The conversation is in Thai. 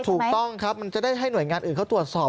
ถูกต้องครับมันจะได้ให้หน่วยงานอื่นเขาตรวจสอบ